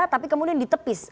tapi kemudian ditepis